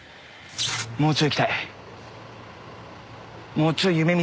もうちょいいきたい。